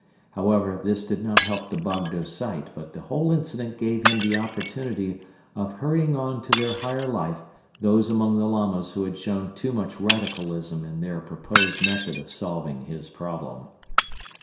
However, this did not help the Bogdo's sight but the whole incident gave him the opportunity of hurrying on to their higher life those among the Lamas who had shown too much radicalism in their proposed method of solving his problem.